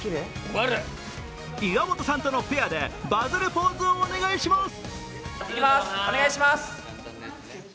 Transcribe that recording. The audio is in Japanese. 岩本さんとのペアでバズるポーズをお願いします！